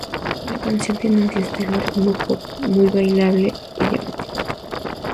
La canción tiene un fiestero ritmo pop muy bailable y llamativo.